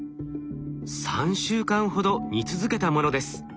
３週間ほど煮続けたものです。